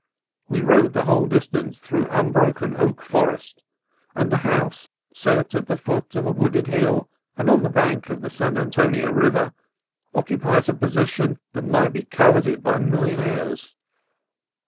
We rode the whole distance through unbroken oak forest, and the house, set at the foot of a wooded hill and on the bank of the San Antonio River, occupies a position that might be coveted by millionaires.